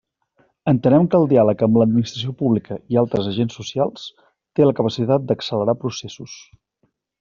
Entenem que el diàleg amb l'administració pública i altres agents socials té la capacitat d'accelerar processos.